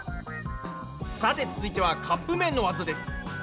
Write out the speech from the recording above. さて続いてはカップめんのワザです。